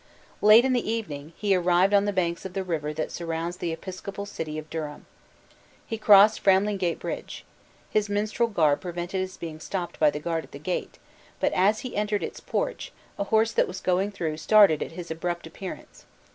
Late in the evening, he arrived on the banks of the river that surrounds the episcopal city of Durham. He crossed Framlinggate Bridge. His mistrel garb prevented his being stopped by the guard at the gate; but as he entered its porch, a horse that was going through started at his abrupt appearance.